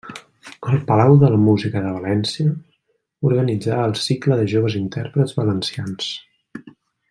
Al Palau de la Música de València, organitzà el cicle de Joves Intèrprets Valencians.